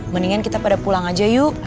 mendingan kita pada pulang aja yuk